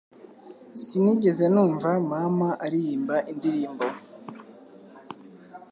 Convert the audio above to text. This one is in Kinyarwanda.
Sinigeze numva mama aririmba indirimbo